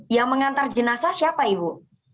yang mengantar jenazah siapa ibu